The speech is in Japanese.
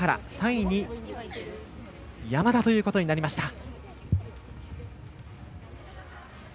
３位に山田ということになりました。